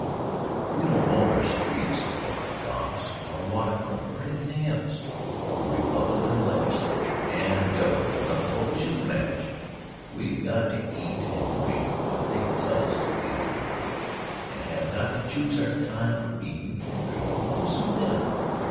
We don't own our streets or our docks or our waterfront or anything else. The Republican Legislature and Governor run the whole shootin' match. We've got to eat and drink what they tell us to eat and drink, and have got to choose our time for eatin' and drinkin' to suit them.